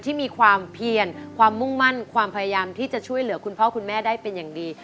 ที่มีความเพียรที่จะช่วยเหลือคุณพ่อคุณแม่ได้เป็นอย่างดี